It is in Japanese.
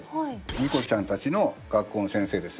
ニコちゃんたちの学校の先生ですよ。